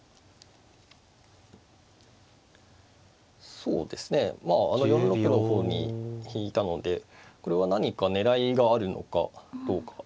そうですね４六の方に引いたのでこれは何か狙いがあるのかどうか。